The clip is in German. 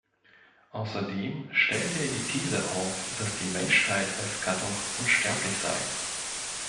Außerdem stellte er die These auf, dass die Menschheit als Gattung unsterblich sei.